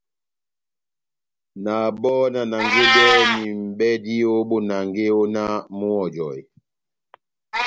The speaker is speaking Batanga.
Na bɔ́ na nangedɛhɛni mʼbɛdi ó bonange ó náh múhɔjɔhe.